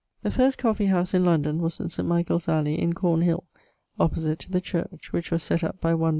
☞ The first coffee house in London[XXIII.] was in St. Michael's Alley in Cornehill, opposite to the Church; which was sett up by one